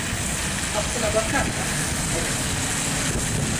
Aslına bakarsan, evet.